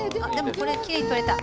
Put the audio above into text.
これきれいに取れた！